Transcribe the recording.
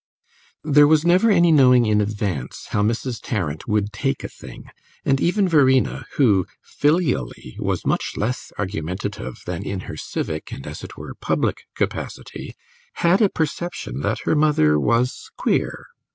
There was never any knowing in advance how Mrs. Tarrant would take a thing, and even Verena, who, filially, was much less argumentative than in her civic and, as it were, public capacity, had a perception that her mother was queer.